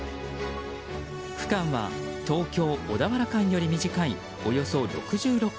区間は東京小田原間より短いおよそ６６ｋｍ。